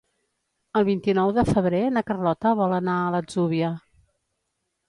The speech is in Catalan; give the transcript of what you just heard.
El vint-i-nou de febrer na Carlota vol anar a l'Atzúbia.